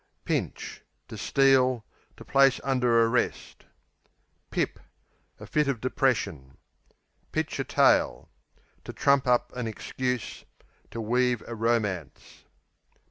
Pinch To steal; to place under arrest. Pip A fit of depression. Pitch a tale To trump up an excuse; to weave a romance.